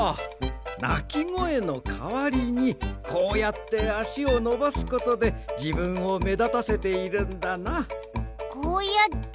なきごえのかわりにこうやってあしをのばすことでじぶんをめだたせているんだな。